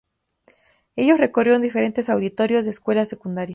Ellos recorrieron diferentes auditorios de escuelas secundarias.